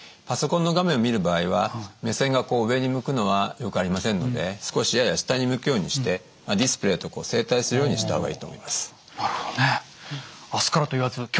パソコンの画面を見る場合は目線がこう上に向くのはよくありませんので少しやや下に向くようにしてディスプレーと正対するようにした方がいいと思います。